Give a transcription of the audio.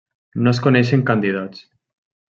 No es coneixen candidats.